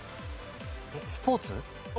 スポーツ？